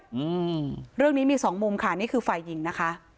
อืมเรื่องนี้มีสองมุมค่ะนี่คือฝ่ายหญิงนะคะ